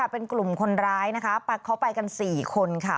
เป็นกลุ่มคนร้ายนะคะเขาไปกัน๔คนค่ะ